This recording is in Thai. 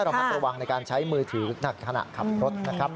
ระมัดระวังในการใช้มือถือหนักขณะขับรถนะครับ